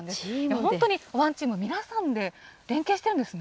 本当にワンチーム、皆さんで連携してるんですね。